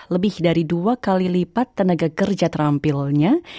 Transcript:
lebih dari dua kali lipat tenaga kerja terampilnya